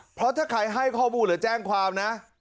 เพราะถ้าใครให้ข้อมูลหรือแจ้งความนะ